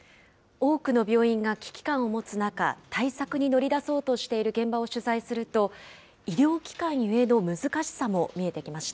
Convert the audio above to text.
多くの病院が危機感を持つ中、対策に乗り出そうとしている現場を取材すると、医療機関ゆえの難しさも見えてきました。